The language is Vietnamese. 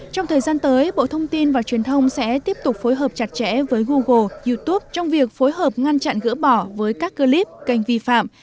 trong thời gian tới bộ thông tin và truyền thông sẽ tiếp tục phối hợp chặt chẽ với google youtube trong việc phối hợp ngăn chặn gỡ bỏ với các clip kênh vi phạm